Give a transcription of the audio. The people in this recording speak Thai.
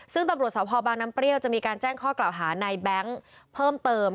ซึ่งตำรวจสพบางน้ำเปรี้ยวจะมีการแจ้งข้อกล่าวหาในแบงค์เพิ่มเติม